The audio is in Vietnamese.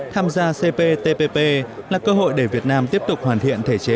tham gia cptpp là cơ hội để việt nam tiếp tục hoàn thiện thể chế